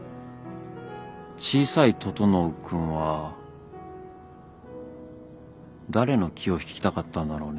小さい整君は誰の気を引きたかったんだろうね。